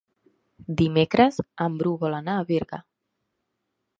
Dimecres en Bru vol anar a Berga.